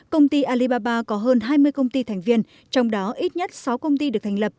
công ty alibaba có hơn hai mươi công ty thành viên trong đó ít nhất sáu công ty được thành lập